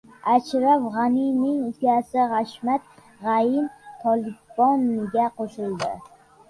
Ashraf G‘anining ukasi Xashmat G‘ani "Tolibon"ga qo‘shildi